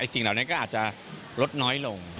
สิ่งเหล่านั้นก็อาจจะลดน้อยลง